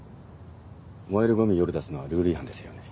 燃えるゴミ夜出すのはルール違反ですよね。